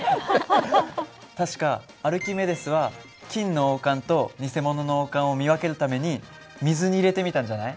確かアルキメデスは金の王冠と偽物の王冠を見分けるために水に入れてみたんじゃない？